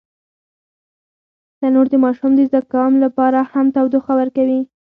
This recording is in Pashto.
تنور د ماشوم د زکام لپاره هم تودوخه ورکوي